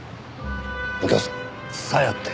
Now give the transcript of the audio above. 右京さん「サヤ」って。